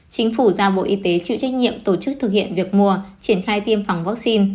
chính phủ giao bộ y tế chịu trách nhiệm tổ chức thực hiện việc mua triển khai tiêm phòng vaccine